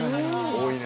「多いね」